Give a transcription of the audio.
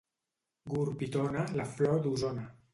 Gurb i Tona, la flor d'Osona.